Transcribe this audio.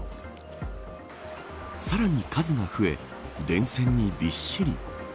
さらに数が増え電線にびっしり。